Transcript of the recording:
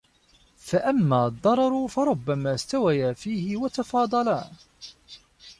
فَأَمَّا الضَّرَرُ فَرُبَّمَا اسْتَوَيَا فِيهِ وَتَفَاضَلَا